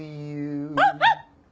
あっあっ！